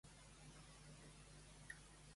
Es disculpa don Eudald amb ell?